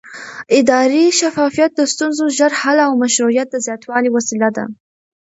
اداري شفافیت د ستونزو د ژر حل او مشروعیت د زیاتوالي وسیله ده